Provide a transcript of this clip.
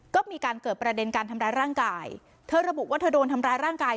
ก็มีการเกิดประเด็นการทำร้ายร่างกายเธอระบุว่าเธอโดนทำร้ายร่างกาย